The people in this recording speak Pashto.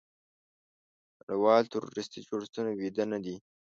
نړیوال تروریستي جوړښتونه ویده نه دي.